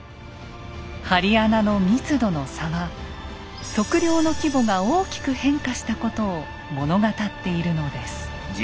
針穴の密度の差は測量の規模が大きく変化したことを物語っているのです。